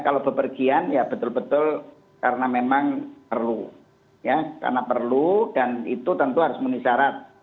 kalau bepergian ya betul betul karena memang perlu ya karena perlu dan itu tentu harus memenuhi syarat